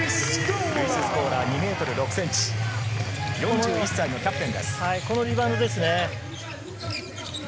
ルイス・スコーラ、２ｍ６ｃｍ、４１歳のキャプテンです。